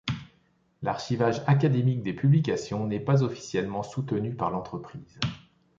L'archivage académique des publications n'est pas officiellement soutenu par l'entreprise.